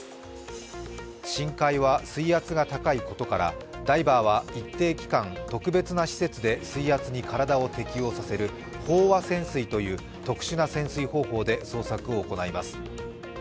深海は水圧が高いことからダイバーは一定期間、特別な施設で水圧に体を適応させる飽和潜水という特殊な潜水方法で捜索を行います。